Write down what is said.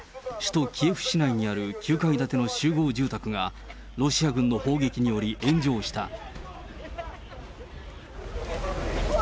首都キエフ市内にある９階建ての集合住宅が、ロシア軍の砲撃により炎上した。